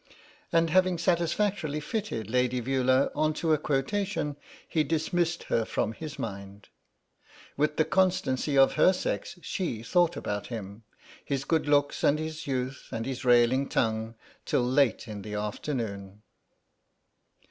And having satisfactorily fitted Lady Veula on to a quotation he dismissed her from his mind. With the constancy of her sex she thought about him, his good looks and his youth and his railing tongue, till late in the afternoon.